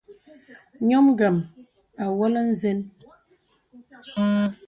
Ǹyɔ̄m ngəm à wɔ̄lə̀ nsəŋ.